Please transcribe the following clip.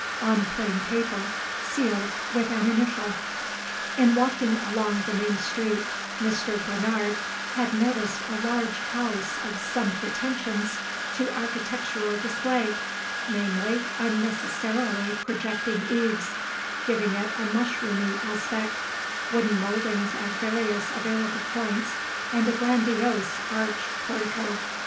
On plain paper, sealed with an initial. In walking along the main street, Mr. Bernard had noticed a large house of some pretensions to architectural display, namely, unnecessarily projecting eaves, giving it a mushroomy aspect, wooden mouldings at various available points, and a grandiose arched portico.